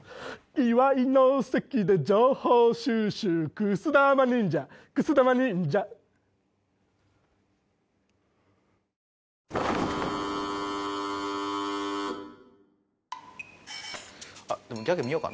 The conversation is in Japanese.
「祝いの席で情報収集」「くす玉忍者くす玉忍者」あっでもギャグ見ようか？